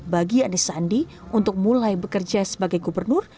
bagi anies sandi untuk mulai bekerja sebagai gubernur